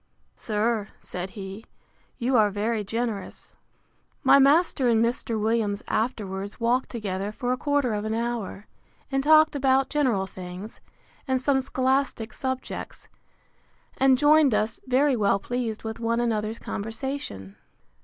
Sir, said he, you are very generous. My master and Mr. Williams afterwards walked together for a quarter of an hour; and talked about general things, and some scholastic subjects; and joined us, very well pleased with one another's conversation.